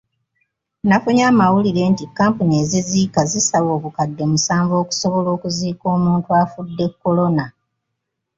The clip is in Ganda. Nafunye amawulire nti kkampuni eziziika zisaba obukadde musanvu okusobola okuziika omuntu afudde Corona.